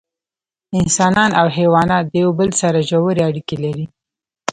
انسانان او حیوانات د یو بل سره ژوی اړیکې لري